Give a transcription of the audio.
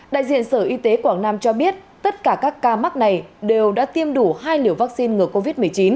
đại diện sở y tế quảng nam cho biết tất cả các ca mắc này đều đã tiêm đủ hai liều vaccine ngừa covid một mươi chín